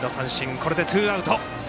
これでツーアウト。